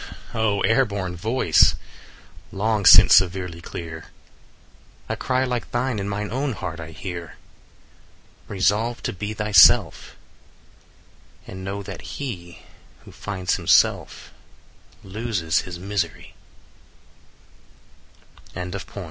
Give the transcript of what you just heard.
O air born voice! long since, severely clear, A cry like thine in mine own heart I hear: 30 "Resolve to be thyself; and know that he, Who finds himself, loses his mise